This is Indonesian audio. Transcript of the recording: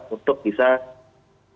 untuk bisa bersaing ya